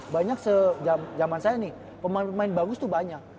banyak sejaman saya nih pemain pemain bagus tuh banyak